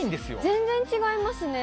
全然違いますね。